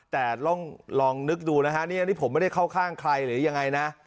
แต่ลองนึกดูนะฮะนี่อันนี้ผมไม่ได้เข้าข้างใครหรือยังไงนะ